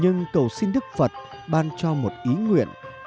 nhưng cầu xin đức phật ban cho một ý nguyện